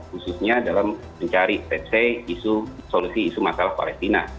khususnya dalam mencari secara secara isolasi isu masalah palestina